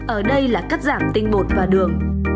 ở đây là cắt giảm tinh bột và đường